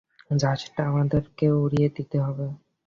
জাহাজটা আমাদেরকে উড়িয়ে দিতে হবে।